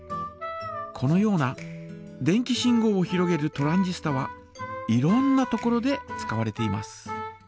このような電気信号をひろげるトランジスタはいろんなところで使われています。